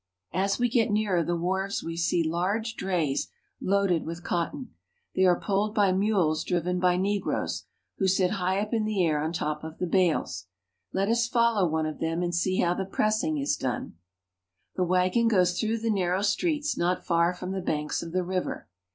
As we get nearer the wharves we see large drays loaded with cotton. They are pulled by mules driven by negroes, who sit high up in the air on top of the bales. Let us follow one of them, and see how the pressing is done. The wagon goes through the narrow streets not far from the banks of the river.